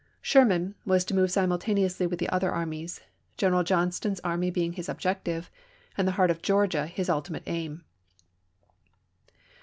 Sherman was to move simultaneously chap. xiv. with the other armies, Greneral Johnston's army being his objective, and the heart of Georgia his ultimate aim.